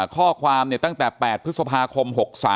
ข้อความตั้งแต่๘พฤษภาคม๖๓